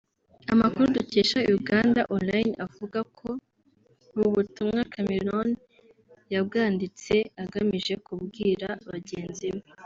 Amakuru dukesha Uganda online avuga ko ubu butumwa Chameleone yabwanditse agamije kubwira bagenzi be